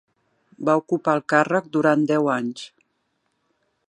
Va ocupar el càrrec durant deu anys.